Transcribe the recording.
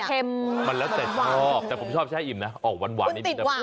แข็มมันแล้วเสร็จแต่ผมชอบใช้อิ่มนะอ๋อหวานนี่ดีกว่า